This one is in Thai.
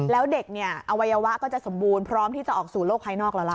แล้วเด็กเนี่ยอวัยวะก็จะสมบูรณ์พร้อมที่จะออกสู่โลกภายนอกแล้วล่ะ